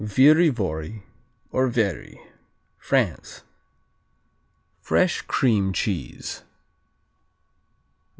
Viry vory, or Vary France Fresh cream cheese.